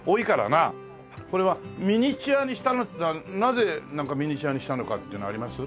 これはミニチュアにしたのはなぜミニチュアにしたのかっていうのはあります？